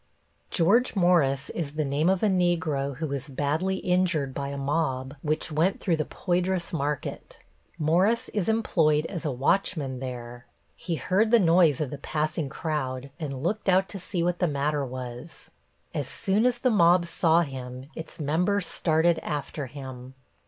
George Morris is the name of a Negro who was badly injured by a mob which went through the Poydras Market. Morris is employed as watchman there. He heard the noise of the passing crowd and looked out to see what the matter was. As soon as the mob saw him its members started after him.